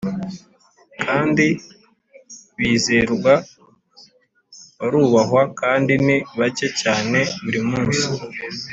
kandi bizerwa barubahwa kandi ni bake cyane Buri munsi